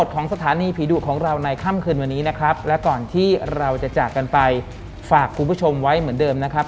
ก็เป็นได้หมด